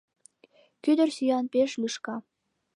Кӱдыр сӱан пеш лӱшка.